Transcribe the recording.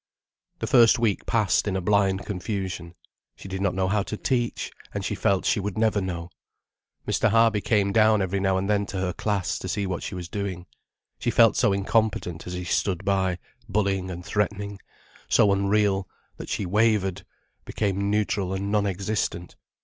The first week passed in a blind confusion. She did not know how to teach, and she felt she never would know. Mr. Harby came down every now and then to her class, to see what she was doing. She felt so incompetent as he stood by, bullying and threatening, so unreal, that she wavered, became neutral and non existent.